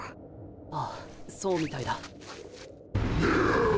ああそうみたいだ。